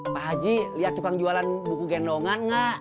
pak haji liat tukang jualan buku gendongan gak